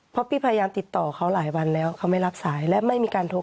เพราะพี่พยายามติดต่อเขาหลายวันแล้วเขาไม่รับสายและไม่มีการโทร